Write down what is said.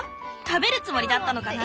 食べるつもりだったのかな？